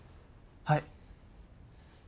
はい。